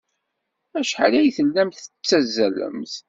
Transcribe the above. Acḥal ay tellamt tettazzalemt?